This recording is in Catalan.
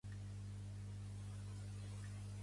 Després, el grup va llançar el seu segon àlbum, Desensitized.